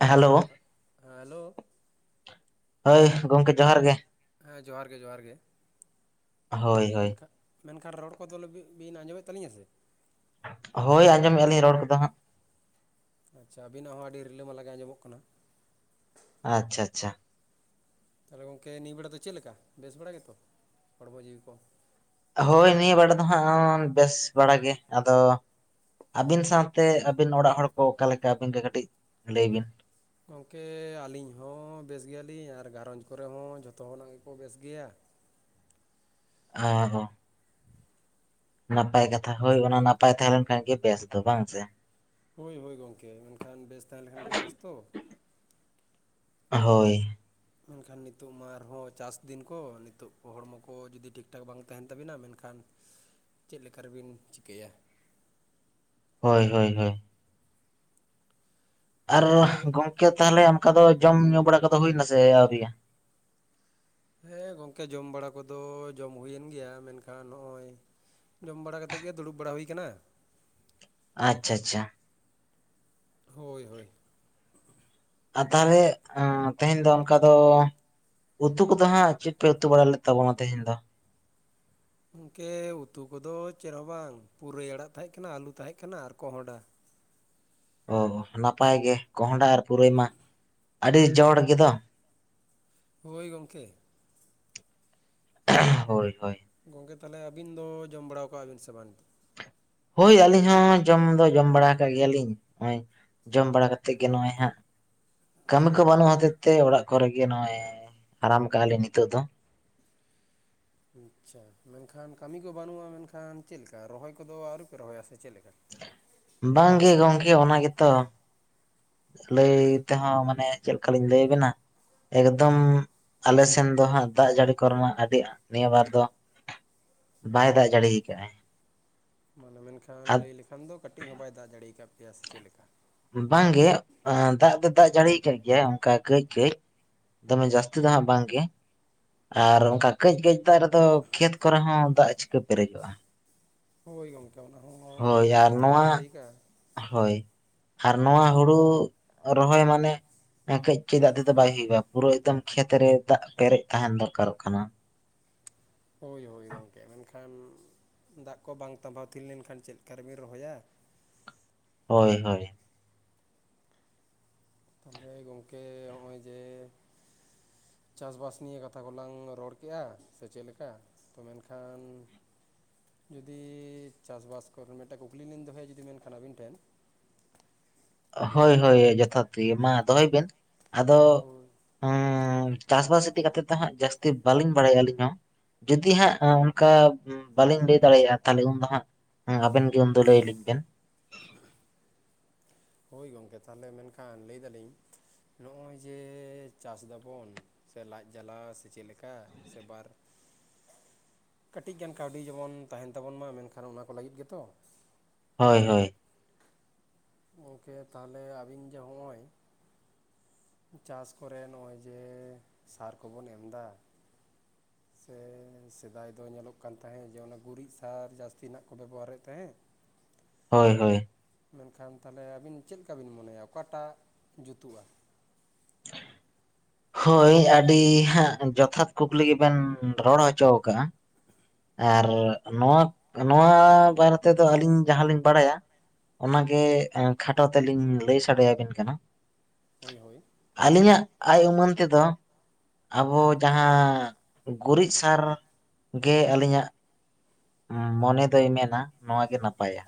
Hello ᱦᱮᱸ hello ᱦᱳᱭ ᱜᱚᱢᱠᱮ ᱡᱚᱦᱟᱨ ᱜᱮ ᱦᱮᱸ ᱡᱚᱦᱟᱨ ᱜᱮ ᱡᱚᱦᱟᱨ ᱜᱮ ᱦᱳᱭ ᱦᱳᱭ ᱢᱮᱱᱠᱷᱟᱱ ᱢᱮᱱᱠᱷᱟᱱ ᱨᱚᱲ ᱠᱚᱫᱚ ᱵᱤᱱ ᱟᱸᱡᱚᱢᱮᱫ ᱛᱟᱹᱞᱤᱧᱟ ᱥᱮ ᱦᱳᱭ ᱟᱸᱡᱚᱢᱮᱫᱼᱟ ᱞᱤᱧ ᱨᱚᱲ ᱠᱚᱫᱚ ᱦᱟᱸᱜ ᱟᱪᱪᱷᱟ ᱟᱹᱵᱤᱱᱟᱜ ᱦᱚᱸ ᱟᱹᱰᱤ ᱨᱤᱞᱟᱹ ᱢᱟᱞᱟ ᱜᱮ ᱟᱸᱡᱚᱢᱚᱜ ᱠᱟᱱᱟ ᱟᱪᱪᱷᱟ ᱟᱪᱪᱷᱟ ᱛᱟᱦᱚᱞᱮ ᱜᱚᱝᱠᱮ ᱱᱤᱭᱟᱹ ᱵᱮᱲᱟ ᱫᱚ ᱪᱮᱫ ᱞᱮᱠᱟ ᱵᱮᱥ ᱵᱟᱲᱟ ᱜᱮᱛᱚ ᱦᱚᱲᱢᱚ ᱡᱤᱣᱤ ᱠᱚ ᱦᱳᱭ ᱱᱤᱭᱟᱹ ᱵᱟᱲᱟ ᱫᱚ ᱦᱟᱸᱜ ᱵᱮᱥ ᱵᱟᱲᱟ ᱜᱮ ᱟᱫᱚ ᱟᱹᱵᱤᱱ ᱥᱟᱶᱛᱮ ᱟᱹᱵᱤᱱ ᱚᱲᱟᱜ ᱦᱚᱲ ᱠᱚ ᱚᱠᱟ ᱞᱮᱠᱟ ᱟᱹᱵᱤᱱ ᱜᱮ ᱠᱟᱹᱴᱤᱡ ᱞᱟᱹᱭ ᱵᱤᱱ ᱜᱚᱢᱠᱮ ᱟᱹᱞᱤᱧ ᱦᱚᱸ ᱵᱮᱥ ᱜᱮᱭᱟᱞᱤᱧ ᱟᱨ ᱜᱷᱟᱨᱚᱸᱧᱡᱽ ᱠᱚᱨᱮ ᱦᱚᱸ ᱡᱷᱚᱛᱚ ᱦᱚᱲ ᱱᱟᱜ ᱜᱮᱠᱚ ᱵᱮᱥ ᱜᱮᱭᱟ ᱚᱦᱚᱸᱻ ᱱᱟᱯᱟᱭ ᱠᱟᱛᱷᱟ ᱦᱳᱭ ᱚᱱᱟ ᱱᱟᱯᱟᱭ ᱛᱟᱦᱮᱸ ᱞᱮᱱᱠᱷᱟᱱ ᱜᱮ ᱵᱮᱥ ᱫᱚ ᱵᱟᱝ ᱥᱮ ᱦᱳᱭ ᱦᱳᱭ ᱜᱚᱢᱠᱮ ᱢᱮᱱᱠᱷᱟᱱ ᱵᱮᱥ ᱛᱟᱦᱮᱸ ᱞᱮᱱᱠᱷᱟᱱ ᱜᱮ ᱵᱮᱥ ᱛᱚ ᱦᱳᱭ ᱢᱮᱱᱠᱷᱟᱱ ᱱᱤᱛᱚᱜ ᱢᱟ ᱟᱨᱦᱚᱸ ᱪᱟᱥ ᱫᱤᱱ ᱠᱚ ᱱᱤᱛᱚᱜ ᱦᱚᱲᱢᱚ ᱠᱚ ᱡᱩᱫᱤ ᱴᱷᱤᱠ ᱴᱷᱟᱠ ᱵᱟᱝᱼᱼ ᱛᱟᱦᱮᱱ ᱛᱟᱹᱵᱤᱱᱟ ᱢᱮᱱᱠᱷᱟᱱ ᱪᱮᱫ ᱞᱮᱠᱟ ᱨᱮᱵᱤᱱ ᱪᱤᱠᱟᱹᱭᱟ ᱦᱳᱭ ᱦᱳᱭ ᱦᱳᱭᱻ ᱟᱨ ᱛᱟᱦᱚᱞᱮ ᱜᱚᱝᱠᱮ ᱛᱟᱦᱚᱞᱮ ᱚᱱᱠᱟ ᱫᱚ ᱡᱚᱢ ᱧᱩ ᱵᱟᱲᱟ ᱠᱚᱫᱚ ᱦᱩᱭᱱᱟ ᱥᱮ ᱟᱹᱣᱨᱤᱭᱟ ᱦᱮᱸ ᱜᱚᱢᱠᱮ ᱡᱚᱢ ᱵᱟᱲᱟ ᱠᱚᱫᱚ ᱡᱚᱢ ᱦᱩᱭᱮᱱ ᱜᱮᱭᱟ ᱢᱮᱱᱠᱷᱟᱱ ᱱᱚᱜᱼᱚᱭ ᱡᱚᱢ ᱵᱟᱲᱟ ᱠᱟᱛᱮᱫ ᱜᱮ ᱫᱩᱲᱩᱵ ᱵᱟᱲᱟ ᱦᱩᱭ ᱟᱠᱟᱱᱟ ᱟᱪᱪᱷᱟ ᱟᱪᱪᱷᱟᱻ ᱦᱳᱭ ᱦᱳᱭ ᱟᱨ ᱛᱟᱦᱚᱞᱮ ᱛᱮᱦᱮᱧ ᱫᱚ ᱚᱱᱠᱟ ᱫᱚ ᱩᱛᱩ ᱠᱚᱫᱚ ᱦᱟᱸᱜ ᱪᱮᱫ ᱯᱮ ᱩᱛᱩ ᱵᱟᱲᱟ ᱞᱮᱫ ᱛᱟᱵᱚᱱᱟ ᱛᱮᱦᱮᱧ ᱫᱚ ᱜᱚᱢᱠᱮ ᱩᱛᱩ ᱠᱚᱫᱚ ᱪᱮᱫ ᱦᱚᱸ ᱵᱟᱝ ᱯᱩᱨᱟᱹᱭ ᱟᱲᱟᱜ ᱛᱟᱦᱮᱸᱜ ᱠᱟᱱᱟ ᱟᱹᱞᱩ ᱛᱟᱦᱮᱸᱜ ᱠᱟᱱᱟ ᱟᱨ ᱠᱚᱦᱚᱸᱰᱟ ᱚ ᱱᱟᱯᱟᱭ ᱜᱮ ᱠᱚᱸᱦᱰᱟ ᱟᱨ ᱯᱩᱨᱟᱹᱭ ᱢᱟ ᱟᱹᱰᱤ ᱡᱚᱲ ᱜᱮᱫᱚ ᱦᱳᱭ ᱜᱚᱢᱠᱮ [unintelligible] ᱦᱳᱭ ᱦᱳᱭ ᱜᱚᱢᱠᱮ ᱛᱟᱦᱚᱞᱮ ᱟᱹᱵᱤᱱ ᱫᱚ ᱡᱚᱢ ᱵᱟᱲᱟᱣᱟᱠᱟᱜ ᱵᱤᱱ ᱥᱮ ᱵᱟᱝ ᱦᱳᱭ ᱟᱹᱞᱤᱧ ᱦᱚᱸ ᱡᱚᱢ ᱫᱚ ᱡᱚᱢ ᱵᱟᱲᱟ ᱟᱠᱟᱜ ᱜᱮᱭᱟᱞᱤᱧ ᱱᱚᱜᱼᱚᱭ ᱡᱚᱢ ᱵᱟᱲᱟ ᱠᱟᱛᱮᱫ ᱜᱮ ᱱᱚᱜᱼᱚᱭ ᱦᱟᱸᱜ ᱠᱟᱹᱢᱤ ᱠᱚ ᱵᱟᱹᱱᱩᱜ ᱦᱚᱛᱮᱫ ᱛᱮ ᱚᱲᱟᱜ ᱠᱚᱨᱮᱜᱮ ᱱᱚᱜᱼᱚᱭ ᱟᱨᱟᱢ ᱟᱠᱟᱜᱼᱟ ᱞᱤᱧ ᱱᱤᱛᱚᱜ ᱫᱚ ᱟᱪᱪᱷᱟ ᱢᱮᱱᱠᱷᱟᱱ ᱠᱟᱹᱢᱤ ᱠᱚ ᱵᱟᱹᱱᱩᱜᱼᱟ ᱢᱮᱱᱠᱷᱟᱱ ᱪᱮᱫ ᱞᱮᱠᱟ ᱨᱚᱦᱚᱭ ᱠᱚᱫᱚ ᱟᱹᱣᱨᱤ ᱯᱮ ᱨᱚᱦᱚᱭᱟ ᱥᱮ ᱪᱮᱫ ᱞᱮᱠᱟ ᱵᱟᱝ ᱜᱮ ᱜᱚᱝᱠᱮ ᱚᱱᱟ ᱜᱮᱛᱚ ᱞᱟᱹᱭ ᱛᱮᱦᱚᱸ ᱢᱟᱱᱮ ᱪᱮᱫ ᱞᱮᱠᱟᱞᱤᱧ ᱞᱟᱹᱭ ᱟᱹᱵᱤᱱᱟ ᱮᱠᱫᱚᱢ ᱟᱞᱮ ᱥᱮᱱ ᱫᱚ ᱦᱟᱸᱜ ᱫᱟᱜ ᱡᱟᱹᱲᱤ ᱠᱚᱨᱮᱢᱟ ᱟᱹᱰᱤ ᱱᱤᱭᱟᱹ ᱵᱟᱨ ᱫᱚ ᱵᱟᱭ ᱫᱟᱜ ᱡᱟᱹᱲᱤ ᱟᱠᱟᱫᱟᱭ ᱢᱟᱱᱮ ᱢᱮᱱᱠᱷᱟᱱ ᱞᱟᱹᱭ ᱞᱮᱠᱷᱟᱱ ᱫᱚ ᱠᱟᱹᱴᱤᱡ ᱦᱚᱸ ᱵᱟᱭ ᱫᱟᱜ ᱡᱟᱹᱲᱤ ᱟᱠᱟᱫ ᱯᱮᱭᱟ ᱥᱮ ᱪᱮᱫ ᱞᱮᱠᱟ ᱵᱟᱝᱜᱮ ᱫᱟᱜ ᱫᱚ ᱫᱟᱜ ᱡᱟᱹᱲᱤᱭᱟᱠᱟᱜ ᱜᱮᱭᱟ ᱚᱱᱠᱟ ᱠᱟᱹᱡᱼᱠᱟᱹᱡ ᱫᱚᱢᱮ ᱡᱟᱹᱥᱛᱤ ᱫᱚ ᱦᱟᱸᱜ ᱵᱟᱝᱜᱮ ᱟᱨ ᱚᱱᱠᱟ ᱠᱟᱹᱡᱼᱠᱟᱹᱡ ᱫᱟᱜ ᱨᱮᱫᱚ ᱠᱷᱮᱛ ᱠᱚᱨᱮ ᱦᱚᱸ ᱫᱟᱜ ᱪᱤᱠᱟᱹ ᱯᱮᱨᱮᱡᱚᱜᱼᱟ ᱦᱳᱭ ᱜᱚᱢᱠᱮ ᱚᱱᱟ ᱦᱚᱸ ᱦᱳᱭ ᱡᱚᱛᱷᱟᱛ ᱟᱨ ᱠᱟᱛᱷᱟ ᱱᱚᱣᱟ ᱜᱮᱵᱮᱱ ᱞᱟᱹᱭ ᱟᱠᱟᱫᱼᱟ ᱦᱳᱭ ᱟᱨ ᱱᱚᱣᱟ ᱦᱳᱲᱳ ᱨᱚᱦᱚᱭ ᱢᱟᱱᱮ ᱠᱟᱹᱡᱼᱠᱟᱹᱡ ᱫᱟᱜ ᱛᱮᱫᱚ ᱵᱟᱭ ᱦᱩᱭᱩᱜᱼᱟ ᱯᱩᱨᱟᱹ ᱮᱫᱠᱚᱢ ᱠᱷᱮᱛ ᱨᱮ ᱫᱟᱜ ᱯᱮᱨᱮᱡ ᱛᱟᱦᱮᱱ ᱫᱚᱨᱠᱟᱨᱚᱜ ᱠᱟᱱᱟ ᱦᱳᱭ ᱦᱳᱭ ᱜᱚᱝᱠᱮ ᱢᱮᱱᱠᱷᱟᱱ ᱫᱟᱜ ᱠᱚ ᱵᱟᱝ ᱛᱟᱸᱵᱟᱣ ᱛᱷᱤᱨ ᱞᱮᱱᱠᱷᱟᱱ ᱪᱮᱫ ᱞᱮᱠᱟ ᱨᱮᱵᱤᱱ ᱨᱚᱦᱚᱭᱟ ᱦᱳᱭ ᱦᱳᱭ ᱛᱟᱦᱚᱞᱮ ᱜᱚᱢᱠᱮ ᱦᱚᱜᱼᱚᱭ ᱡᱮ ᱪᱟᱥ ᱵᱟᱥ ᱱᱤᱭᱟᱹ ᱠᱟᱛᱷᱟ ᱠᱚᱞᱟᱝ ᱨᱚᱲ ᱠᱮᱫᱼᱟ ᱥᱮ ᱪᱮᱫ ᱞᱮᱠᱟ ᱛᱚ ᱢᱮᱱᱠᱷᱟᱱ ᱡᱩᱫᱤ ᱪᱟᱥᱵᱟᱥ ᱠᱚᱨᱮ ᱢᱤᱫᱴᱟᱝ ᱠᱩᱠᱞᱤ ᱞᱤᱧ ᱫᱚᱦᱚᱭᱟ ᱡᱩᱫᱤ ᱢᱮᱱᱠᱷᱟᱱ ᱟᱹᱵᱤᱱ ᱴᱷᱮᱱ [unintelligible] ᱦᱳᱭ ᱦᱳᱭ ᱢᱮᱱᱠᱷᱟᱱ ᱡᱚᱛᱷᱟᱛ ᱜᱮ ᱢᱟ ᱫᱚᱦᱚᱭ ᱵᱤᱱ ᱟᱫᱚ ᱦᱳᱭ ᱪᱟᱥᱵᱟᱥ ᱤᱫᱤ ᱠᱟᱛᱮᱜ ᱫᱚ ᱦᱟᱜ ᱡᱟᱹᱥᱛᱤ ᱵᱟᱹᱞᱤᱧ ᱵᱟᱲᱟᱭᱟ ᱟᱹᱞᱤᱧ ᱦᱚᱸ ᱡᱩᱫᱤ ᱦᱟᱸᱜ ᱚᱱᱠᱟ ᱵᱟᱹᱞᱤᱧ ᱞᱟᱹᱭ ᱫᱟᱲᱮᱭᱟᱜᱼᱟ ᱛᱟᱦᱚᱞᱮ ᱩᱱᱫᱚ ᱦᱟᱸᱜ ᱦᱮᱸ ᱟᱵᱤᱱ ᱜᱮ ᱩᱱᱫᱚ ᱞᱟᱹᱭ ᱟᱞᱤᱧ ᱵᱮᱱ ᱦᱳᱭ ᱜᱚᱝᱠᱮ ᱛᱟᱦᱚᱞᱮ ᱢᱮᱱᱠᱷᱟᱱ ᱞᱟᱹᱭ ᱫᱟᱞᱤᱧ ᱱᱚᱜᱼᱚᱭ ᱡᱮ ᱪᱟᱥ ᱫᱟᱵᱚᱱ ᱥᱮ ᱞᱟᱡ ᱡᱟᱞᱟ ᱥᱮ ᱪᱮᱫ ᱞᱮᱠᱟ ᱥᱮ ᱵᱟᱨ ᱠᱟᱹᱴᱤᱡ ᱜᱟᱱ ᱠᱟᱹᱣᱰᱤ ᱡᱮᱢᱚᱱ ᱛᱟᱦᱮᱱ ᱛᱟᱵᱚᱱ ᱢᱟ ᱢᱮᱱᱠᱷᱟᱱ ᱚᱱᱟ ᱠᱚ ᱞᱟᱹᱜᱤᱫ ᱜᱮᱛᱚ ᱦᱳᱭ ᱦᱳᱭ ᱜᱚᱢᱠᱮ ᱛᱟᱦᱚᱞᱮ ᱟᱵᱤᱱ ᱡᱮ ᱦᱚᱜᱼᱚᱭ ᱪᱟᱥ ᱠᱚᱨᱮ ᱱᱚᱜᱼᱚᱭ ᱡᱮ ᱥᱟᱨ ᱠᱚᱵᱚᱱ ᱮᱢ ᱮᱫᱟ ᱥᱮ ᱥᱮᱫᱟᱭ ᱫᱚ ᱧᱮᱞᱚᱜ ᱠᱟᱱ ᱛᱟᱦᱮᱸᱫ ᱡᱮ ᱚᱱᱟ ᱜᱩᱨᱤᱡ ᱥᱟᱨ ᱡᱟᱹᱥᱛᱤ ᱱᱟᱜ ᱠᱚ ᱵᱮᱵᱚᱦᱟᱨᱮᱫ ᱛᱟᱦᱮᱸᱫ [inaudible] ᱦᱳᱭ ᱦᱳᱭ ᱢᱮᱱᱠᱷᱟᱱ ᱛᱟᱦᱚᱞᱮ ᱟᱵᱤᱱ ᱪᱮᱫ ᱞᱮᱠᱟ ᱵᱤᱱ ᱢᱚᱱᱮᱭᱟ ᱚᱠᱟᱴᱟᱜ ᱡᱩᱛᱩᱜᱼᱟ? ᱦᱳᱭ ᱟᱹᱰᱤ ᱦᱟᱸᱜ ᱡᱚᱛᱷᱟᱛ ᱠᱩᱠᱞᱤ ᱜᱮᱵᱮᱱ ᱨᱚᱲ ᱦᱚᱪᱚ ᱟᱠᱟᱫᱼᱟ᱾ ᱟᱨ ᱱᱚᱣᱟ ᱱᱚᱣᱟ ᱵᱟᱨᱮ ᱛᱮᱫᱚ ᱟᱹᱞᱤᱧ ᱡᱟᱦᱟᱸᱞᱤᱧ ᱵᱟᱲᱟᱭ-ᱟ᱾ ᱚᱱᱟᱜᱮ ᱠᱷᱟᱴᱚ ᱛᱮᱞᱤᱧ ᱞᱟᱹᱭ ᱥᱟᱰᱮ ᱟᱹᱵᱤᱱ ᱠᱟᱱᱟ ᱦᱳᱭ ᱦᱳᱭ ᱟᱹᱞᱤᱧᱟᱜ ᱟᱭ ᱩᱢᱟᱹᱱ ᱛᱮᱫᱚ ᱟᱵᱚ ᱡᱟᱦᱟᱸ ᱜᱩᱨᱤᱡ ᱥᱟᱨ ᱜᱮ ᱟᱹᱞᱤᱧᱟᱜ ᱢᱚᱱᱮ ᱫᱚᱭ ᱢᱮᱱᱟ ᱱᱚᱣᱟ ᱜᱮ ᱱᱟᱯᱟᱭᱟ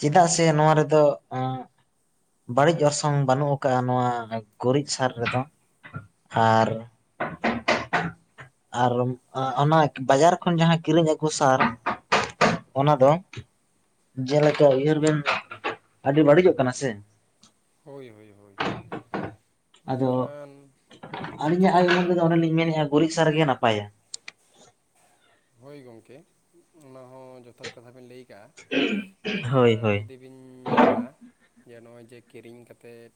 ᱪᱮᱫᱟᱜ ᱥᱮ ᱟᱪᱪᱷᱟ ᱱᱚᱣᱟ ᱨᱮᱫᱚ ᱮᱸ [inaudible] ᱵᱟᱹᱲᱤᱡ ᱚᱨᱥᱚᱝ ᱵᱟᱹᱱᱩᱜ ᱟᱠᱟᱫ-ᱟ ᱱᱚᱣᱟ ᱜᱩᱨᱤᱡ ᱥᱟᱨ ᱨᱮᱫᱚ ᱟᱨ ᱟᱨ ᱚᱱᱟ ᱵᱟᱡᱟᱨ ᱠᱷᱚᱱ ᱡᱟᱦᱟᱸ ᱠᱤᱨᱤᱧ ᱟᱹᱜᱩ ᱥᱟᱨ ᱚᱱᱟ ᱫᱚ ᱡᱮᱞᱮᱠᱟ ᱩᱭᱦᱟᱹᱨ ᱵᱮᱱ ᱟᱹᱰᱤ ᱵᱟᱹᱲᱤᱡᱚᱜ ᱠᱟᱱᱟ ᱥᱮ ᱦᱳᱭ ᱦᱳᱭ ᱦᱳᱭ ᱟᱫᱚ ᱢᱮᱱᱠᱷᱟᱱ ᱪᱮᱫ ᱟᱹᱞᱤᱧᱟᱜ ᱟᱭ ᱵᱤᱱ ᱞᱟᱹᱭᱫᱟ ᱩᱢᱟᱹᱱ ᱛᱮᱫᱚ ᱜᱚᱝᱠᱮ ᱚᱱᱮᱞᱤᱧ ᱢᱮᱱᱮᱫᱼᱟ ᱜᱩᱨᱤᱡ ᱥᱟᱨ ᱜᱮ ᱱᱟᱯᱟᱭᱟ᱾ ᱦᱳᱭ ᱜᱚᱢᱠᱮ ᱚᱱᱟ ᱦᱚᱸ ᱡᱚᱛᱷᱟ ᱠᱟᱛᱷᱟ ᱵᱤᱱ ᱞᱟᱹᱭ ᱟᱠᱟᱜᱼᱟ ᱦᱳᱭ ᱢᱮᱱᱠᱷᱟᱱ ᱦᱳᱭ ᱡᱩᱫᱤ ᱵᱤᱱ ᱧᱮᱞᱟ ᱡᱮ ᱱᱚᱜᱼᱚᱭ ᱡᱮ ᱠᱤᱨᱤᱧ ᱠᱟᱛᱮᱫ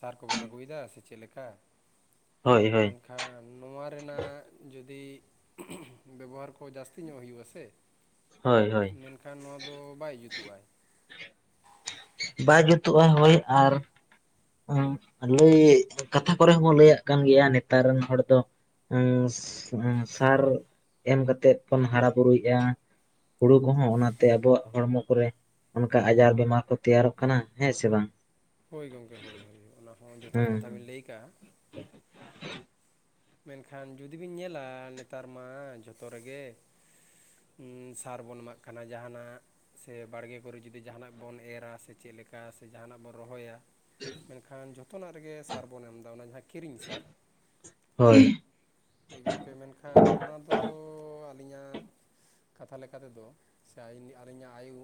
ᱥᱟᱨ ᱠᱚᱵᱚᱱ ᱟᱹᱜᱩᱭᱮᱫᱟ ᱥᱮ ᱪᱮᱫ ᱞᱮᱠᱟ ᱦᱳᱭ ᱦᱳᱭ ᱠᱷᱟᱱ ᱱᱚᱣᱟ ᱨᱮᱱᱟᱜ ᱡᱩᱫᱤ ᱵᱮᱵᱚᱦᱟᱨ ᱠᱚ ᱡᱟᱹᱥᱛᱤ ᱧᱚᱜ ᱦᱩᱭᱩᱜᱼᱟ ᱥᱮ ᱦᱳᱭ ᱦᱳᱭ ᱮᱱᱠᱷᱟᱱ ᱱᱚᱣᱟ ᱫᱚ ᱵᱟᱭ ᱡᱩᱛᱩᱜᱼ ᱟᱭ ᱵᱟᱭ ᱡᱩᱛᱩᱜᱼᱟ ᱦᱳᱭ ᱟᱨ ᱦᱚᱸ ᱞᱟᱹᱭ ᱠᱟᱛᱷᱟ ᱠᱚᱨᱮ ᱦᱚᱸᱵᱚᱱ ᱞᱟᱹᱭᱟᱜ ᱠᱟᱱ ᱜᱮᱭᱟ ᱱᱮᱛᱟᱨ ᱨᱮᱱ ᱦᱚᱲ ᱫᱚ ᱥᱟᱨ ᱮᱢ ᱠᱟᱛᱮᱮᱫ ᱵᱚᱱ ᱦᱟᱨᱟ ᱵᱩᱨᱩᱭᱮᱫᱼᱟ ᱦᱩᱲᱩ ᱠᱚᱦᱚᱸ ᱚᱱᱟᱛᱮ ᱟᱵᱚᱣᱟᱜ ᱦᱚᱲᱢᱚ ᱠᱚᱨᱮ ᱚᱱᱠᱟ ᱟᱡᱟᱨ ᱵᱮᱢᱟᱨ ᱠᱚ ᱛᱮᱭᱟᱨᱚᱜ ᱠᱟᱱᱟ ᱦᱮᱸ ᱥᱮ ᱵᱟᱝ ᱦᱳᱭ ᱜᱚᱢᱠᱮ ᱦᱳᱭ ᱦᱳᱭ ᱚᱱᱟ ᱦᱚᱸ ᱡᱚᱛᱷᱟᱛ ᱦᱮᱸ ᱠᱟᱛᱷᱟ ᱵᱮᱱ ᱞᱟᱹᱭ ᱟᱠᱟᱜᱼᱟ ᱢᱮᱱᱠᱷᱟᱱ ᱡᱩᱫᱤ ᱵᱤᱱ ᱧᱮᱞᱟ ᱱᱮᱛᱟᱨ ᱢᱟ ᱡᱷᱚᱛᱚ ᱨᱮᱜᱮ ᱥᱟᱨ ᱵᱚᱱ ᱮᱢᱟᱜ ᱠᱟᱱᱟ ᱡᱟᱦᱟᱱᱟᱜ ᱥᱮ ᱵᱟᱲᱜᱮ ᱠᱚᱨᱮ ᱡᱩᱫᱤ ᱡᱟᱦᱟᱱᱟᱜ ᱵᱚᱱ ᱮᱨᱟ ᱥᱮ ᱪᱮᱫᱞᱮᱠᱟ ᱥᱮ ᱡᱟᱦᱟᱱᱟᱜ ᱵᱚᱱ ᱨᱚᱦᱚᱭᱟ ᱢᱮᱱᱠᱷᱟᱱ ᱡᱚᱛᱚᱱᱟᱜ ᱨᱮᱜᱮ ᱥᱟᱨ ᱵᱚᱱ ᱮᱢᱫᱟ ᱚᱱᱟ ᱡᱟᱦᱟᱸ ᱠᱤᱨᱤᱧ ᱥᱟᱨ ᱦᱳᱭ ᱦᱳᱭ ᱜᱚᱢᱠᱮ ᱢᱮᱱᱠᱷᱟᱱ ᱚᱱᱟᱫᱚ ᱟᱹᱞᱤᱧᱟᱜ ᱠᱟᱛᱷᱟ ᱞᱮᱠᱟ ᱛᱮᱫᱚ ᱥᱮ ᱟᱞᱤᱧᱟᱜ ᱟᱭᱩ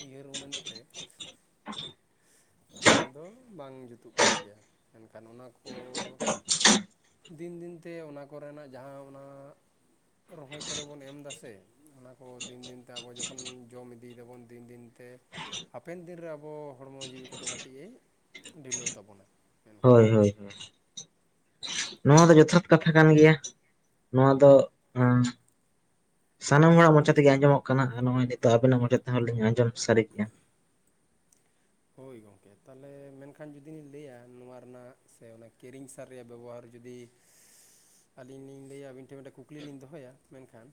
ᱩᱭᱦᱟᱹᱨ ᱩᱢᱟᱹᱱ ᱛᱮ ᱚᱱᱟ ᱫᱚ ᱵᱟᱝ ᱡᱩᱛᱩᱜ ᱠᱟᱱ ᱜᱮᱭᱟ ᱢᱮᱱᱠᱷᱟᱱ ᱚᱱᱟ ᱠᱚ ᱫᱤᱱ ᱫᱤᱱᱛᱮ ᱚᱱᱟ ᱠᱚᱨᱮᱱᱟᱜ ᱡᱟᱦᱟᱸ ᱚᱱᱟ ᱨᱚᱦᱚᱭ ᱠᱚᱨᱮ ᱵᱚᱱ ᱮᱢ ᱫᱟᱥᱮ ᱚᱱᱟ ᱠᱚ ᱫᱤᱱ ᱫᱤᱱᱛᱮ ᱟᱵᱚ ᱡᱚᱠᱷᱚᱱ ᱡᱚᱢ ᱤᱫᱤᱭ ᱫᱟᱵᱚᱱ ᱫᱤᱱ ᱫᱤᱱᱛᱮ ᱦᱟᱯᱮᱱ ᱫᱤᱱ ᱨᱮ ᱟᱵᱚ ᱦᱚᱲᱢᱚ ᱡᱤᱣᱤ ᱠᱚᱫᱚ ᱠᱟᱹᱴᱤᱡ ᱮ ᱰᱷᱤᱞᱟᱹᱣ ᱛᱟᱵᱚᱱᱟ ᱢᱮᱱᱠᱷᱟᱱ ᱦᱳᱭ ᱦᱳᱭ ᱦᱳᱭ ᱱᱚᱣᱟ ᱫᱚ ᱡᱚᱛᱷᱟᱛ ᱠᱟᱛᱷᱟ ᱠᱟᱱ ᱜᱮᱭᱟ ᱱᱚᱣᱟ ᱫᱚ ᱥᱟᱱᱟᱢ ᱦᱚᱲᱟᱜ ᱢᱪᱷᱟ ᱛᱮᱜᱮ ᱟᱸᱡᱚᱢᱚᱜ ᱠᱟᱱᱟ ᱟᱨ ᱱᱚᱜᱼᱚᱭ ᱱᱤᱛᱚᱜ ᱟᱵᱮᱱᱟᱜ ᱢᱪᱷᱟ ᱛᱮᱦᱚᱸ ᱞᱤᱧ ᱟᱸᱡᱚᱢ ᱥᱟᱹᱨᱤ ᱠᱮᱜᱼᱟ ᱦᱳᱭ ᱜᱚᱢᱠᱮ ᱛᱟᱦᱚᱞᱮ ᱢᱮᱱᱠᱷᱟᱱ ᱡᱩᱫᱤᱧ ᱞᱟᱹᱭᱟ ᱱᱚᱣᱟ ᱨᱮᱱᱟᱜ ᱥᱮ ᱚᱱᱟ ᱠᱤᱨᱤᱧ ᱥᱟᱨ ᱨᱮᱭᱟᱜ ᱵᱮᱵᱚᱦᱟᱨ ᱡᱩᱫᱤ ᱟᱹᱞᱤᱧ ᱞᱤᱧ ᱞᱟᱹᱭᱟ ᱟᱹᱵᱤᱱ ᱴᱷᱮᱱ ᱢᱤᱫᱴᱮᱱ ᱠᱩᱠᱞᱤ ᱞᱤᱧ ᱫᱚᱦᱚᱭᱟ ᱢᱮᱱᱠᱷᱟᱱ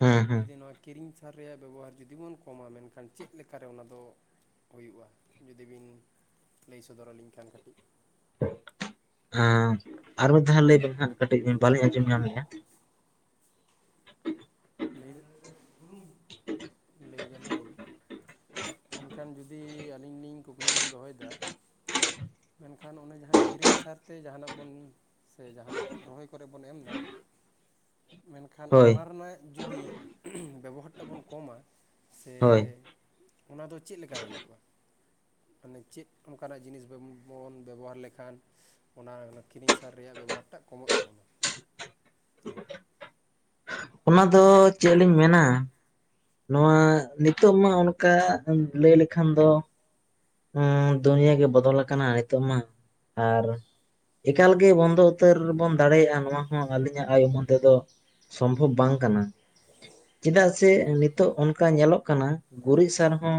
ᱦᱮᱸ ᱦᱮᱸ ᱡᱩᱫᱤ ᱱᱚᱣᱟ ᱠᱤᱨᱤᱧ ᱥᱟᱨ ᱨᱮᱭᱟᱜ ᱵᱮᱵᱚᱦᱟᱨ ᱡᱩᱫᱤ ᱵᱚᱱ ᱠᱚᱢᱟ ᱢᱮᱱᱠᱷᱟᱱ ᱪᱮᱫᱠᱟᱨᱮ ᱚᱱᱟ ᱫᱚ ᱦᱩᱭᱩᱜᱼᱟ? ᱡᱩᱫᱤ ᱵᱤᱱ ᱞᱟᱹᱭ ᱥᱚᱫᱚᱨ ᱟᱹᱞᱤᱧ ᱠᱷᱟᱱ ᱠᱟᱹᱴᱤᱡ ᱟᱨ ᱢᱤᱫ ᱫᱷᱟᱣ ᱞᱟᱹᱭ ᱵᱮᱱ ᱦᱟᱸᱜ ᱠᱟᱹᱴᱤᱡ ᱵᱟᱹᱞᱤᱧ ᱟᱸᱡᱚᱢ ᱧᱟᱢ ᱞᱮᱼᱟ ᱞᱟᱹᱭ ᱞᱟᱹᱭ ᱫᱟᱞᱤᱧ ᱢᱮᱱᱠᱷᱟᱱ ᱡᱩᱫᱤ ᱟᱹᱞᱤᱧ ᱞᱤᱧ ᱠᱩᱠᱞᱤ ᱞᱤᱧ ᱫᱚᱦᱚᱭᱮᱫᱟ ᱢᱮᱱᱠᱷᱟᱱ ᱚᱱᱮ ᱡᱟᱦᱟᱸ ᱠᱤᱨᱤᱧ ᱥᱟᱨᱛᱮ ᱡᱟᱦᱟᱱᱟᱜ ᱵᱚᱱ ᱥᱮ ᱡᱟᱦᱟᱱᱟᱜ ᱨᱚᱦᱚᱭ ᱠᱚᱨᱮᱜ ᱵᱚᱱ ᱮᱢᱫᱟ ᱢᱮᱱᱠᱷᱟᱱ ᱦᱳᱭ ᱚᱱᱟ ᱨᱮᱱᱟᱜ ᱡᱩᱫᱤ ᱵᱮᱵᱚᱦᱟᱨ ᱴᱟᱜ ᱵᱚᱱ ᱠᱚᱢᱟ ᱥᱮᱼᱼ ᱦᱳᱭ ᱚᱱᱟ ᱫᱚ ᱪᱮᱫ ᱞᱠᱟᱨᱮ ᱦᱩᱭᱩᱜᱼᱟ᱾ ᱢᱟᱱᱮ ᱪᱮᱫ ᱚᱱᱠᱟᱱᱟᱜ ᱡᱤᱱᱤᱥ ᱵᱟᱵᱚᱱ ᱵᱮᱵᱚᱦᱟᱨ ᱞᱮᱠᱷᱟᱱᱼᱼ ᱚᱱᱟ ᱠᱤᱨᱤᱧ ᱥᱟᱨ ᱨᱮᱭᱟᱜ ᱵᱮᱵᱚᱦᱟᱨ ᱴᱟᱜ ᱠᱚᱢᱚᱜ ᱛᱟᱵᱚᱱᱟ᱾ ᱚᱱᱟ ᱫᱚ ᱪᱮᱫ ᱞᱤᱧ ᱢᱮᱱᱟ, ᱱᱚᱣᱟ ᱱᱤᱛᱚᱜ ᱢᱟ ᱚᱱᱠᱟ ᱞᱟᱹᱭ ᱞᱮᱠᱷᱟᱱ ᱫᱚᱼᱼ ᱫᱩᱱᱤᱭᱟ ᱜᱮ ᱵᱚᱫᱚᱞ ᱟᱠᱟᱱᱟ ᱱᱤᱛᱚᱜ ᱢᱟ ᱟᱨᱼᱼ ᱮᱠᱟᱞ ᱜᱮ ᱵᱚᱱᱫᱚ ᱩᱛᱟᱹᱨ ᱵᱚᱱ ᱫᱟᱲᱮᱭᱟᱜᱼᱟ ᱱᱚᱣᱟ ᱦᱚᱸ ᱟᱹᱞᱤᱧᱼᱟᱜ ᱟᱭ [unintelligible] ᱩᱢᱚᱱ [unintelligible] ᱫᱚ ᱥᱚᱢᱵᱷᱚᱵ ᱵᱟᱝ ᱠᱟᱱᱟ᱾ ᱪᱮᱫᱟᱜ ᱥᱮ ᱦᱳᱭ ᱱᱤᱛᱚᱜ ᱚᱱᱠᱟ ᱧᱮᱞᱚᱜ ᱠᱟᱱᱟᱼᱼ ᱜᱩᱨᱤᱡ ᱥᱟᱨ ᱦᱚᱸ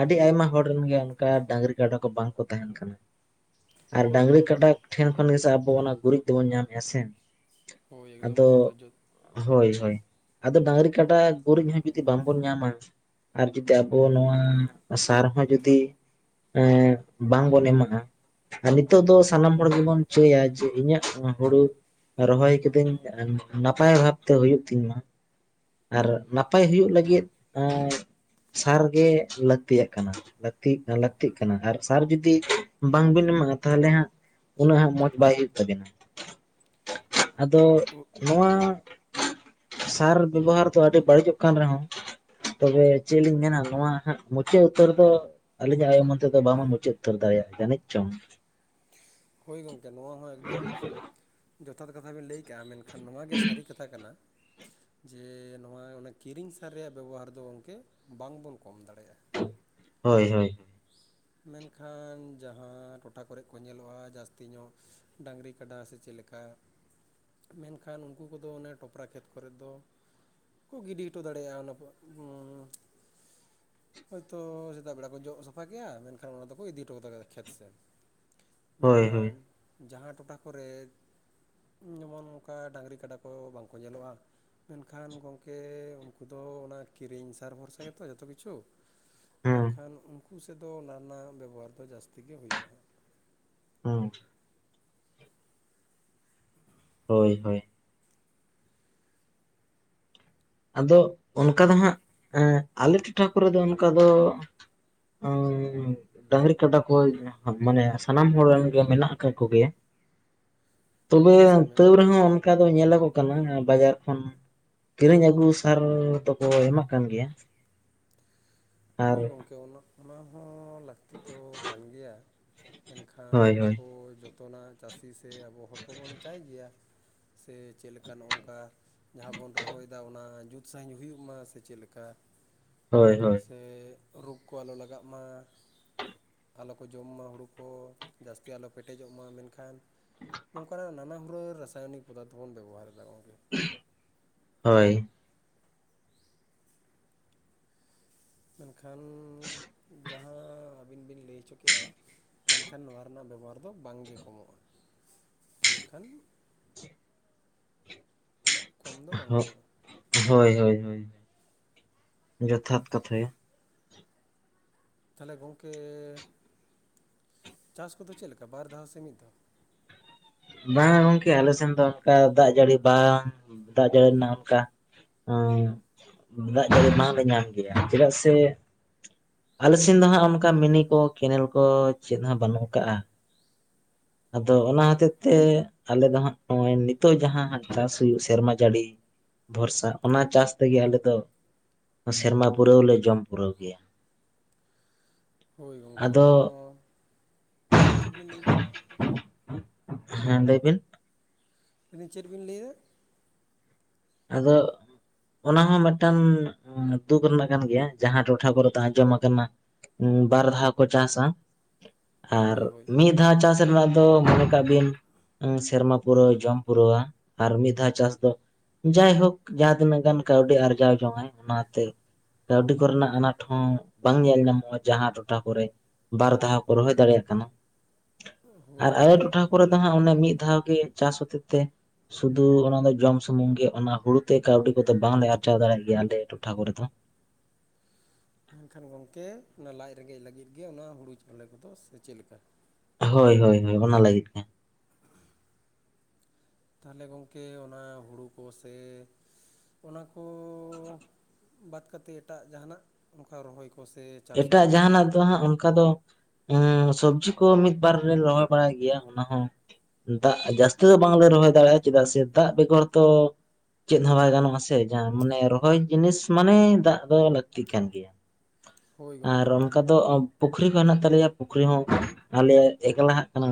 ᱟᱹᱰᱤ ᱟᱭᱢᱟ ᱦᱚᱲ ᱨᱮᱱ ᱜᱮᱭᱟᱼᱼ ᱰᱟᱹᱝᱨᱤ ᱠᱟᱰᱟ ᱠᱚ ᱵᱟᱝ ᱠᱚ ᱛᱟᱦᱮᱱ ᱠᱟᱱᱟ᱾ ᱟᱨ ᱦᱳᱭ ᱰᱟᱹᱝᱨᱤ ᱜᱚᱢᱠᱮ ᱠᱟᱰᱟᱼᱼ ᱦᱳᱭ ᱴᱷᱮᱱ ᱠᱷᱚᱱ ᱜᱮ ᱥᱮᱮ ᱟᱵᱚ ᱚᱱᱟ ᱜᱩᱨᱤᱡ ᱛᱮᱵᱚᱱ ᱧᱟᱢᱮᱜᱼᱟ ᱥᱮ ᱦᱳᱭ ᱮᱠᱫᱚᱢ ᱟᱫᱚ ᱱᱚᱣᱟ ᱫᱚ ᱡᱚ ᱦᱳᱭ ᱦᱳᱭ ᱟᱫᱚ ᱰᱟᱹᱟᱝᱨᱤ ᱠᱟᱰᱟ ᱜᱩᱨᱤᱡ ᱦᱚᱸ ᱡᱩᱫᱤ ᱵᱟᱝᱵᱚᱱ ᱧᱟᱢᱟ ᱟᱨ ᱡᱩᱫᱤ ᱟᱵᱚ ᱱᱚᱣᱟ ᱥᱟᱨ ᱦᱚᱸ ᱡᱩᱫᱤᱼᱼ ᱮ ᱵᱟᱝ ᱵᱚᱱ ᱮᱢᱟᱜᱼᱟᱼᱼ ᱟᱨ ᱱᱤᱛᱚᱜ ᱫᱚ ᱥᱟᱱᱟᱢ ᱦᱚᱲ ᱜᱮᱵᱚᱱ ᱪᱟᱹᱭᱟ ᱡᱮ ᱤᱧᱟᱹᱜ ᱦᱩᱲᱩᱼᱼ ᱨᱚᱦᱚᱭ ᱠᱤᱫᱟᱹᱧ ᱱᱟᱯᱟᱭ ᱵᱷᱟᱵᱛᱮ ᱦᱳᱭᱳᱜ ᱛᱤᱧ ᱢᱟ, ᱟᱨ ᱱᱟᱯᱟᱭ ᱦᱩᱭᱩᱜ ᱞᱟᱹᱜᱤᱫᱼᱼ ᱥᱟᱨ ᱜᱮ ᱞᱟᱹᱠᱛᱤᱭᱟᱜ ᱠᱟᱱᱟ ᱞᱟᱹᱠᱛᱤᱜᱼᱼ ᱞᱟᱹᱠᱛᱤᱜ ᱠᱟᱱᱟ ᱟᱨ ᱥᱟᱨ ᱡᱩᱫᱤ ᱵᱟᱝᱵᱤᱱ ᱮᱢᱟᱜᱼᱟ ᱛᱟᱦᱚᱞᱮ ᱦᱟᱸᱜᱼᱼ ᱩᱱᱟᱹᱜ ᱦᱟᱸᱜ ᱢᱚᱡᱽ ᱵᱟᱭ ᱦᱩᱭᱩᱜ ᱛᱟᱵᱤᱱᱟ᱾ ᱟᱫᱚ ᱱᱚᱣᱟᱼᱼ ᱥᱟᱨ ᱵᱮᱵᱚᱦᱟᱨ ᱫᱚ ᱟᱹᱰᱤ ᱵᱟᱹᱲᱤᱡᱚᱜ ᱠᱟᱱ ᱨᱮᱦᱚᱸᱼᱼ ᱛᱚᱵᱮ ᱪᱮᱫ ᱞᱤᱧ ᱢᱮᱱᱟ ᱱᱚᱣᱟ ᱦᱟᱸᱜ ᱢᱩᱪᱟᱹᱫ ᱩᱛᱟᱹᱨ ᱫᱚᱼᱼ ᱟᱹᱞᱤᱧᱟᱜ ᱟᱭᱳ ᱢᱚᱫᱷᱮ ᱫᱚ ᱵᱟᱝ ᱵᱚᱱ ᱢᱩᱪᱟᱹᱫ ᱩᱛᱟᱹᱨ ᱫᱟᱲᱮᱭᱟᱜᱼᱟ ᱡᱟᱹᱱᱤᱡ ᱪᱚᱝ᱾ ᱦᱳᱭ ᱜᱚᱝᱠᱮ ᱱᱚᱣᱟ ᱦᱚᱸ ᱮᱠᱫᱚᱢ ᱡᱚᱛᱷᱟᱛ ᱠᱟᱛᱷᱟ ᱵᱮᱱ ᱞᱟᱹᱭ ᱠᱟᱜᱼᱟ ᱢᱮᱱᱠᱷᱟᱱ ᱱᱚᱣᱟ ᱜᱮ ᱥᱟᱹᱨᱤ ᱠᱟᱛᱷᱟᱼᱼ ᱠᱟᱛᱷᱟ ᱠᱟᱱᱟ᱾ ᱡᱮ ᱱᱚᱣᱟ ᱠᱤᱨᱤᱧ ᱥᱟᱨ ᱨᱮᱭᱟᱜ ᱵᱮᱵᱚᱦᱟᱨ ᱫᱚ ᱜᱚᱢᱠᱮ ᱵᱟᱝ ᱵᱚᱱ ᱠᱚᱢ ᱫᱟᱲᱮᱭᱟᱜᱼᱟ᱾ ᱦᱳᱭ ᱦᱳᱭ ᱢᱮᱱᱠᱷᱟᱱ ᱡᱟᱦᱟᱸ ᱴᱚᱴᱷᱟ ᱠᱚᱨᱮᱜ ᱠᱚ ᱧᱮᱞᱚᱜᱼᱟ ᱡᱟᱹᱥᱛᱤ ᱧᱚᱜᱼᱼ ᱰᱟᱝᱨᱤ, ᱠᱟᱰᱟ ᱥᱮ ᱪᱮᱫ ᱞᱮᱠᱟᱼᱼ ᱢᱮᱱᱠᱷᱟᱱ ᱩᱱᱠᱩ ᱠᱚᱫᱚ ᱚᱱᱮ ᱴᱚᱯᱨᱟ ᱠᱷᱮᱛ ᱠᱚᱨᱮ ᱫᱚᱼᱼ ᱠᱚ ᱜᱤᱰᱤ ᱦᱚᱴᱚ ᱫᱟᱲᱮᱭᱟᱜᱼᱟ ᱚᱱᱟ [inaudible] ᱦᱳᱭ ᱛᱚ ᱥᱮᱛᱟᱜ ᱵᱮᱲᱟ ᱠᱚ ᱡᱚᱜ ᱥᱟᱯ ᱥᱟᱯᱷᱟ ᱠᱮᱜ-ᱟ ᱢᱮᱱᱠᱷᱟᱱ ᱚᱱᱟ ᱫᱚᱠᱚ ᱤᱫᱤ ᱦᱚᱴᱚ ᱠᱟᱫᱟ ᱠᱷᱮᱛ ᱥᱮᱫ ᱦᱳᱭ ᱦᱳᱭ ᱢᱮᱱᱠᱷᱟᱱ ᱡᱟᱦᱟᱸ ᱴᱚᱴᱷᱟ ᱠᱚᱨᱮ ᱡᱮᱢᱚᱱ ᱚᱝᱠᱟ ᱰᱟᱹᱟᱝᱨᱤ, ᱠᱟᱰᱟ ᱠᱚ ᱵᱟᱝᱠᱚ ᱧᱮᱞᱚᱜᱼᱟ ᱢᱮᱱᱠᱷᱟᱱ ᱜᱚᱝᱠᱮ ᱩᱱᱠᱩ ᱫᱚ ᱚᱱᱟ ᱠᱤᱨᱤᱧ ᱥᱟᱨ ᱵᱷᱚᱨᱥᱟ ᱜᱮ ᱛᱚ ᱡᱚᱛᱚ ᱠᱤᱪᱷᱩ ᱦᱮᱸ ᱢᱮᱱᱠᱷᱟᱱ ᱩᱝᱠᱩ ᱥᱮᱫ ᱫᱚ ᱱᱚᱣᱟ ᱨᱮᱱᱟᱜ ᱵᱮᱵᱚᱦᱟᱨ ᱫᱚ ᱡᱟᱹᱥᱛᱤ ᱜᱮ ᱦᱩᱭᱩᱜᱼᱟ ᱦᱟᱸᱜ᱾ ᱦᱩᱸ ᱦᱳᱭ ᱦᱳᱭ ᱟᱫᱚ ᱚᱱᱠᱟ ᱫᱚ ᱦᱟᱸᱜ ᱮᱸᱻ ᱟᱞᱮ ᱴᱚᱴᱷᱟ ᱠᱚᱨᱮ ᱫᱚ ᱚᱱᱠᱟ ᱫᱚ [unintelligible] ᱰᱟᱝᱨᱤ ᱠᱟᱰᱟ ᱠᱚ ᱢᱟᱱᱮ ᱥᱟᱱᱟᱢ ᱦᱚᱲ ᱨᱮᱱ ᱜᱮ ᱢᱮᱱᱟᱜ ᱟᱠᱟᱫ ᱠᱚ ᱜᱮᱭᱟ [inaudible] ᱛᱚᱵᱮ ᱟᱪᱪᱷᱟ ᱢᱮ ᱛᱟᱹᱣ ᱨᱮᱦᱚᱸ ᱚᱱᱠᱟ ᱫᱚ ᱧᱮᱞᱚᱜᱚᱜ ᱠᱟᱱᱟ ᱵᱟᱡᱟᱨ ᱠᱷᱚᱱ ᱠᱤᱨᱤᱧ ᱟᱹᱜᱩ ᱜᱩ ᱥᱟᱨ ᱫᱚ ᱠᱚ ᱮᱢᱟᱜ ᱠᱟᱱ ᱜᱮᱭᱟ ᱟᱨ ᱦᱳᱭ ᱜᱚᱢᱠᱮ ᱚᱱᱟ ᱦᱚᱸ ᱞᱟᱹᱠᱛᱤ ᱫᱚ ᱠᱟᱱ ᱜᱮᱭᱟᱼᱼ ᱦᱳᱭ ᱢᱮᱱᱠᱷᱟᱱ ᱦᱳᱭ ᱟᱵᱚ ᱡᱚᱛᱚᱱᱟᱜ ᱪᱟᱹᱥᱤ ᱥᱮ ᱟᱵᱚ ᱦᱚᱲ ᱠᱚᱵᱚᱱ ᱪᱟᱭ ᱜᱮᱭᱟᱼᱼ ᱥᱮ ᱪᱮᱫ ᱞᱮᱠᱟ ᱱᱚᱝᱠᱟ ᱡᱟᱦᱟᱸ ᱵᱚᱱ ᱨᱚᱦᱚᱭ ᱮᱫᱟ ᱚᱱᱟ ᱡᱩᱛ ᱥᱟᱺᱦᱤᱡ ᱦᱩᱭᱩᱜ ᱢᱟ ᱥᱮ ᱪᱮᱫ ᱞᱮᱠᱟ ᱦᱳᱭ ᱦᱳᱭ ᱥᱮ ᱨᱳᱜ ᱠᱚ ᱟᱞᱚ ᱞᱟᱜᱟᱜ ᱢᱟ ᱟᱞᱚ ᱠᱚ ᱡᱚᱢ ᱢᱟ ᱦᱩᱲᱩ ᱠᱚ ᱡᱟᱹᱥᱛᱤ ᱟᱞᱚ ᱯᱮᱴᱮᱡᱚᱜ ᱢᱟ ᱢᱮᱱᱠᱷᱟᱱ ᱱᱚᱝᱠᱟᱱᱟᱜ ᱱᱟᱱᱟ ᱦᱩᱱᱟᱹᱨ ᱨᱟᱥᱟᱭᱚᱱᱤᱠ ᱯᱚᱫᱟᱨᱛᱷᱚ ᱵᱚᱱ ᱵᱮᱵᱚᱦᱟᱨ ᱮᱫᱟ ᱜᱚᱝᱠᱮ ᱦᱳᱭ ᱢᱮᱱᱠᱷᱟᱱ ᱡᱟᱦᱟᱸ ᱟᱹᱵᱤᱱ ᱵᱤᱱ ᱞᱟᱹᱭ ᱦᱚᱪᱚᱠᱮᱜ-ᱟ ᱢᱮᱱᱠᱷᱟᱱ ᱱᱚᱣᱟ ᱨᱮᱱᱟᱜ ᱵᱮᱵᱚᱦᱟᱨ ᱫᱚ ᱵᱟᱝᱜᱮ ᱠᱚᱢᱚᱜ-ᱟ ᱢᱮᱱᱠᱷᱟᱱ ᱠᱚᱢ ᱫᱚ ᱵᱟᱝ ᱠᱚᱢᱚᱜ-ᱟ ᱦᱳᱭ ᱦᱳᱭ ᱦᱳᱭ ᱡᱚᱛᱷᱟᱛ ᱠᱟᱛᱷᱟ ᱜᱮ ᱛᱟᱦᱞᱮ ᱜᱚᱝᱠᱮ ᱪᱟᱥ ᱠᱚᱫᱚ ᱪᱮᱫ ᱞᱮᱠᱟ ᱵᱟᱨ ᱫᱷᱟᱣ ᱥᱮ ᱢᱤᱫ ᱫᱷᱟᱣ ᱵᱟᱝ ᱜᱚᱝᱠᱮ ᱟᱞᱮ ᱥᱮᱱ ᱫᱚ ᱚᱱᱠᱟ ᱫᱟᱜ ᱡᱟᱹᱲᱤ ᱵᱟᱝ ᱫᱟᱜ ᱡᱟᱹᱲᱤ ᱨᱮᱱᱟᱜ ᱚᱱᱠᱟ ᱮ ᱫᱟᱜ ᱡᱟᱹᱲᱤ ᱵᱟᱝ ᱞᱮ ᱧᱟᱢ ᱜᱮᱭᱟ ᱪᱮᱫᱟᱜ ᱥᱮ‍‌‍ᱼᱼ ᱟᱞᱮ ᱥᱮᱱ ᱫᱚ ᱦᱟᱸᱜ ᱚᱱᱠᱟ ᱢᱤᱱᱤ ᱠᱚ ᱠᱮᱱᱮᱞ ᱠᱚ ᱪᱮᱫ ᱦᱚᱸ ᱵᱟᱹᱱᱩᱜ ᱟᱠᱟᱜᱼᱟ᱾ [unintelligible] ᱟᱫᱚ ᱚᱱᱟ ᱦᱚᱛᱮᱡ [unintelligible] ᱛᱮ ᱟᱞᱮ ᱫᱚ ᱦᱟᱸᱜ ᱱᱚᱜ-ᱚᱭ ᱱᱤᱛ-ᱚᱜ ᱡᱟᱦᱟᱸ ᱦᱟᱸᱜ ᱪᱟᱥ ᱦᱩᱭᱩᱜ ᱥᱮᱨᱢᱟ ᱡᱟᱹᱲᱤ ᱵᱷᱚᱨᱥᱟ ᱚᱱᱟ ᱪᱟᱥ ᱛᱮᱜᱮ ᱟᱞᱮ ᱫᱚ ᱥᱮᱨᱢᱟ ᱯᱩᱨᱟᱹᱣ ᱞᱮ ᱡᱚᱢ ᱯᱩᱨᱟᱹᱣ ᱜᱮᱭᱟ ᱦᱳᱭ ᱜᱚᱢᱠᱮ ᱟᱫᱚ ᱚᱱᱟ ᱦᱚᱸ ᱪᱮᱫ ᱵᱤᱱ ᱞᱟᱹᱭ ᱮᱫᱟ ᱦᱮᱸ ᱞᱟᱹᱭ ᱵᱤᱱ ᱢᱮᱱ ᱤᱫᱟᱹᱧ ᱪᱮᱫ ᱵᱤᱱ ᱞᱟᱹᱭᱟ ᱟᱫᱚ ᱚᱱᱟ ᱦᱚᱸ ᱢᱤᱫᱴᱟᱝ ᱫᱩᱠᱷ ᱨᱮᱱᱟᱜ ᱠᱟᱱ ᱜᱮᱭᱟ ᱡᱟᱦᱟᱸ ᱴᱚᱴᱷᱟ ᱠᱚᱨᱮ ᱫᱚ ᱟᱸᱡᱚᱢ ᱟᱠᱟᱱᱟ ᱵᱟᱨ ᱫᱷᱟᱣ ᱠᱚ ᱪᱟᱥᱟ ᱟᱨ ᱦᱳᱭ ᱦᱳᱭ ᱢᱤᱫ [unintelligible] ᱪᱟᱥ ᱨᱮᱱᱟᱜ ᱫᱚ ᱢᱚᱱᱮ ᱠᱟᱜ ᱵᱤᱱ ᱥᱮᱨᱢᱟ ᱯᱩᱨᱟᱹᱣ ᱡᱚᱢ ᱯᱩᱨᱟᱹᱣ-ᱟ ᱟᱨ ᱢᱤᱫ ᱫᱷᱟᱣ ᱪᱟᱥ ᱫᱚ ᱡᱟᱭ ᱦᱳᱠ ᱡᱟᱦᱟᱸ ᱛᱤᱱᱟᱹᱜ ᱜᱟᱱ ᱠᱟᱹᱣᱰᱤ ᱟᱨᱡᱟᱣ ᱡᱚᱝᱟᱭ ᱚᱱᱟᱛᱮ ᱠᱟᱹᱣᱰᱤ ᱠᱚᱨᱮᱱᱟᱜ ᱟᱱᱟᱴ ᱦᱚᱸ ᱵᱟᱝ ᱧᱮᱞ ᱧᱟᱢᱚᱜ-ᱟ ᱡᱟᱦᱟᱸ ᱴᱚᱴᱷᱟ ᱠᱚᱨᱮ ᱵᱟᱨ ᱫᱷᱟᱣ ᱠᱚ ᱨᱚᱦᱚᱭ ᱫᱟᱲᱮᱭᱟᱜ ᱠᱟᱱᱟ ᱦᱳᱭ ᱟᱨ ᱟᱞᱮ ᱜᱚᱢᱠᱮ ᱚᱱᱟ ᱴᱚᱴᱷᱟ ᱦᱚᱸ ᱠᱚᱨᱮ ᱫᱚ ᱦᱟᱸᱜ ᱚᱱᱮ ᱢᱤᱫ ᱫᱷᱟᱣ ᱜᱮ ᱪᱟᱥ ᱦᱚᱛᱮ ᱛᱮ ᱥᱩᱫᱷᱩ ᱚᱱᱟ ᱫᱚ ᱡᱚᱢ ᱥᱩᱢᱩᱝ ᱜᱮ ᱚᱱᱟ ᱦᱩᱲᱩ ᱛᱮ ᱠᱟᱹᱣᱰᱤ ᱠᱚᱛᱮ ᱵᱟᱝᱞᱮ ᱟᱨᱡᱟᱣ ᱫᱟᱲᱮᱭᱟᱜ ᱜᱮᱭᱟ ᱟᱞᱮ ᱴᱚᱴᱷᱟ ᱠᱚᱨᱮ ᱫᱚ ᱢᱮᱱᱠᱷᱟᱱ ᱜᱚᱝᱠᱮ ᱚᱱᱟ ᱞᱟᱡ ᱨᱮᱸᱜᱮᱡ ᱞᱟᱹᱜᱤᱫ ᱜᱮ ᱚᱱᱟ ᱦᱩᱲᱩ ᱪᱟᱣᱞᱮ ᱠᱚᱫᱚ ᱥᱮ ᱪᱮᱫ ᱞᱮᱠᱟ ᱦᱳᱭ ᱦᱳᱭ ᱦᱳᱭ ᱚᱱᱟ ᱞᱟᱹᱜᱤᱫ ᱜᱮ [inaudible] ᱛᱟᱦᱚᱞᱮ ᱜᱚᱢᱠᱮ ᱚᱱᱟ ᱦᱩᱲᱩ ᱠᱚ ᱥᱮ ᱚᱱᱟ ᱠᱚ ᱵᱟᱫ ᱠᱟᱛᱮ ᱮᱴᱟᱜ ᱡᱟᱦᱟᱸᱱᱟᱜ ᱚᱱᱠᱟ ᱨᱚᱦᱚᱭ ᱠᱚ ᱥᱮ ᱪᱟᱥ ᱠᱚ ᱮᱴᱟᱜ ᱡᱟᱦᱟᱸᱱᱟᱜ ᱫᱚ ᱦᱟᱸᱜ ᱚᱱᱠᱟ ᱫᱚ ᱦᱚᱸ ᱥᱚᱵᱽᱡᱤ ᱠᱚ ᱢᱤᱫ ᱵᱟᱨ ᱞᱮ ᱨᱚᱦᱚᱭ ᱵᱟᱲᱟᱭ ᱜᱮᱭᱟ ᱚᱱᱟ ᱦᱚᱸ ᱫᱟᱜ ᱡᱟᱹᱥᱛᱤ ᱫᱚ ᱵᱟᱝᱞᱮ ᱨᱚᱦᱚᱭ ᱫᱟᱲᱮᱭᱟᱜ-ᱟ ᱪᱮᱫᱟᱜ ᱥᱮ ᱫᱟᱜ ᱵᱮᱜᱚᱨ ᱛᱚ ᱪᱮᱫ ᱦᱚᱸ ᱵᱟᱭ ᱜᱟᱱᱚᱜ-ᱟ ᱥᱮ ᱡᱟᱦᱟᱸ ᱢᱟᱱᱮ ᱨᱚᱦᱚᱭ ᱡᱤᱱᱤᱥ ᱢᱟᱱᱮ ᱫᱟᱜ ᱫᱚ ᱞᱟᱹᱠᱛᱤ ᱠᱟᱱ ᱜᱮᱭᱟ ᱦᱳᱭ ᱟᱨ ᱜᱚᱢᱠᱮ ᱚᱱᱠᱟ ᱫᱚ ᱯᱩᱠᱷᱨᱤ ᱠᱚ ᱦᱮᱱᱟᱜ ᱛᱟᱞᱮᱭᱟ ᱯᱩᱠᱷᱨᱤ ᱦᱚᱸ ᱟᱞᱮᱭᱟᱜ ᱮᱠᱞᱟᱦᱟᱜ ᱠᱟᱱᱟ